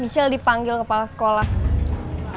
misal dipanggil kepala sekolahnya